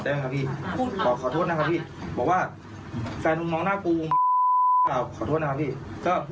เถียงกันไม่ถึงนึงนาทีครับ